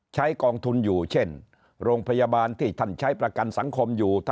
กองทุนอยู่เช่นโรงพยาบาลที่ท่านใช้ประกันสังคมอยู่